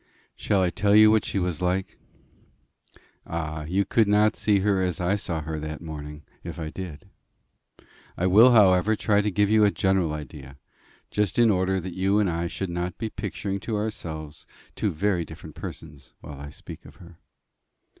Shall I tell you what she was like? Ah! you could not see her as I saw her that morning if I did. I will, however, try to give you a general idea, just in order that you and I should not be picturing to ourselves two very different persons while I speak of her.